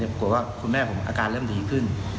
ปรากฏว่าคุณแม่ผมอาการเริ่มดีขึ้น